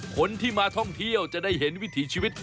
คนที่มาท่องเที่ยวจะได้เห็นวิถีชีวิต